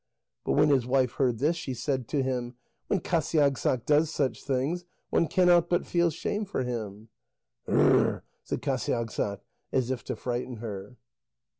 But when his wife heard this, she said to him: "When Qasiagssaq does such things, one cannot but feel shame for him." "Hrrrr!" said Qasiagssaq, as if to frighten her.